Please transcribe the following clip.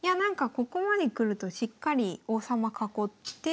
ここまで来るとしっかり王様囲って。